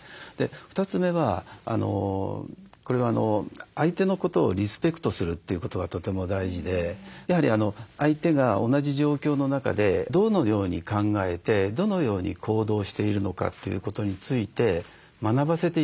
２つ目はこれは相手のことをリスペクトするということがとても大事でやはり相手が同じ状況の中でどのように考えてどのように行動しているのかということについて学ばせて頂くという。